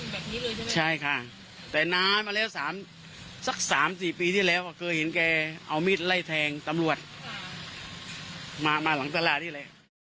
แบบนี้เลยใช่มั้ยใช่ค่ะแต่นานมาแล้วสัก๓๔ปีที่แล้วอะเคยเห็นแกเอามิดไล่แทงตำรวจมาหลังตลาดที่ไหน